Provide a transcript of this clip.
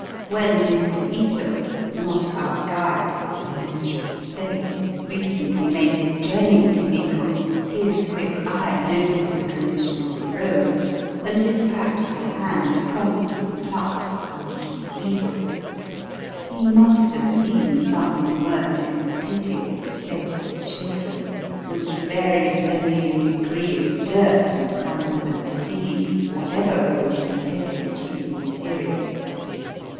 When Mr. Ito (not our guide, but the Minister of State) recently made his journey to Nikko his quick eye noticed the condition of the Digitized by VjOOQIC BOADSIDE AND BIVEB. 271 roads, and his practical hand promptly plucked at the root of the evil. He must have seen something worse in the pitiable state of the children, which varies only in degree of dirt and consequent disease whatever road be taken through the interior.